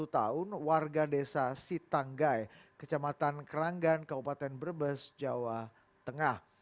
dua puluh satu tahun warga desa sitanggai kecamatan keranggan kabupaten brebes jawa tengah